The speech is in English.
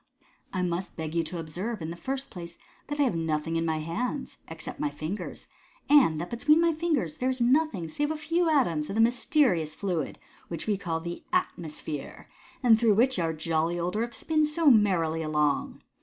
" I must beg you to observe, in the first place, that I have nothing in my hands— except my fingers j and that between my fingers there is nothing save a few atoms of the mysterious fluid which we call the atmosphere, and through which our jolly old Earth spins so merrily MODERN MAGIC. 279 llong.